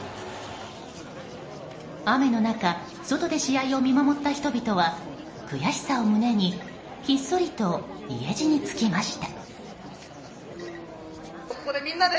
雨の中外で試合を見守った人々は悔しさを胸にひっそりと家路につきました。